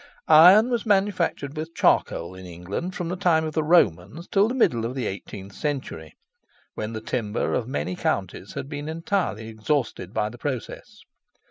Iron was manufactured with charcoal in England from the time of the Romans till the middle of the eighteenth century, when the timber of many counties had been entirely exhausted by the process.